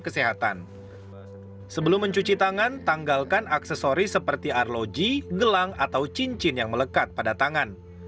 sebelum mencuci tangan tanggalkan aksesori seperti arloji gelang atau cincin yang melekat pada tangan